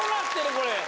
これ。